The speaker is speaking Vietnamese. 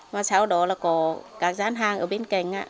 và sau đó là có các gian hàng ở bên cạnh